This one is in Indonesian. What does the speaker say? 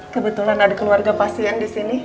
kebetulan ada keluarga pasien di sini